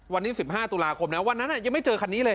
วันนี้๑๕ตุลาคมนะวันนั้นยังไม่เจอคันนี้เลย